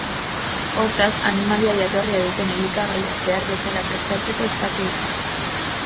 Hortaz, animalia-jatorria duten elikagaiak behar bezala prestatzeko eskatu dute.